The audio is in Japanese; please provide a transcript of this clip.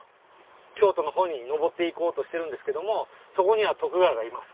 京都のほうに上って行こうとしてるんですけどもそこには徳川がいます。